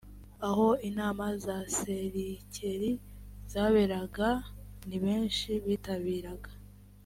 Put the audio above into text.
aho inama za serikeri zaberaga ni benshi bitabiraga